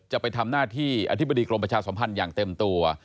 จะไปทำหน้าที่อธิบดีกรมประชาสัมพันธ์อย่างเต็มตัว